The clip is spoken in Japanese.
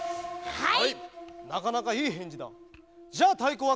はい！